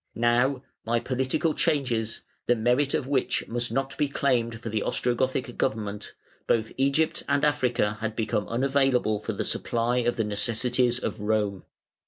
Now, by political changes, the merit of which must not be claimed for the Ostrogothic government, both Egypt and Africa had become unavailable for the supply of the necessities of Rome.